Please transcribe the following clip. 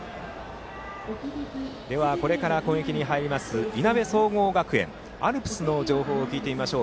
これから攻撃に入るいなべ総合学園のアルプスの情報を聞いてみましょう。